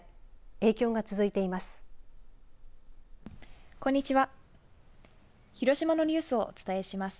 影響が続いています。